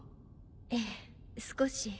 ええ少し。